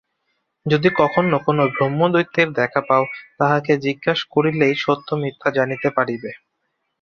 যদি কখনো কোনো ব্রহ্মদৈত্যের দেখা পাও, তাহাকে জিজ্ঞাসা করিলেই সত্যমিথ্যা জানিতে পারিবে।